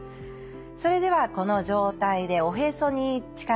それではこの状態でおへそに力を入れて。